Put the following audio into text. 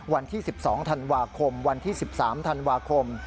วันที่๑๒ธันวาคมวันที่๑๓ธันวาคม